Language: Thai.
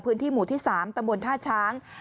พื้นที่หมู่ที่๓ตำบลท่าช้าง